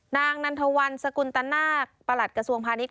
นางนันทวันสกุลตนาคประหลัดกระทรวงพาณิชย